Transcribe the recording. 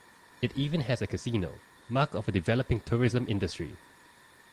It even has a casino, mark of a developing tourism industry.